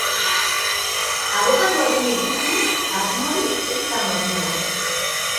Abokatuaren iritziz, asmo hori ez da normala.